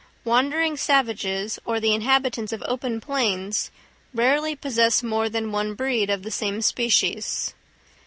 Wandering savages or the inhabitants of open plains rarely possess more than one breed of the same species.